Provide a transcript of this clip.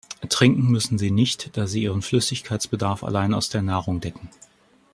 Trinken müssen sie nicht, da sie ihren Flüssigkeitsbedarf allein aus der Nahrung decken.